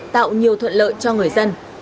tạo nhiều thuận lợi cho người dân